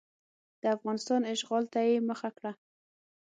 د افغانستان اشغال ته یې مخه کړه.